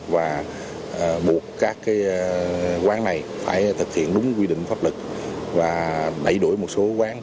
và buộc các quán này phải thực hiện đúng quy định pháp lực và đẩy đuổi một số quán